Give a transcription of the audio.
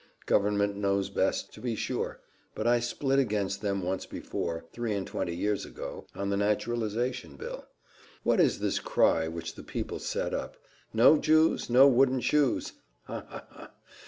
Government knows best, to be sure; but I split against them once before, three and twenty years ago, on the naturalization bill. What is this cry which the people set up? 'No Jews! no wooden shoes!' ha! ha!